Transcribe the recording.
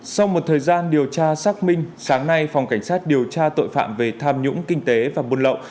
sau một thời gian điều tra xác minh sáng nay phòng cảnh sát điều tra tội phạm về tham nhũng kinh tế và buôn lậu